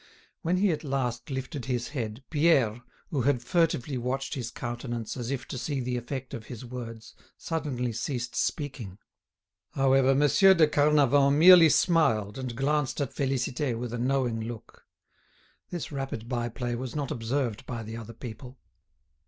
When he at last lifted his head, Pierre, who had furtively watched his countenance as if to see the effect of his words, suddenly ceased speaking. However, Monsieur de Carnavant merely smiled and glanced at Félicité with a knowing look. This rapid by play was not observed by the other people.